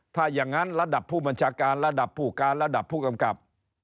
ถ้าอย่างนั้นระดับผู้บัญชาการระดับผู้การระดับผู้กำกับ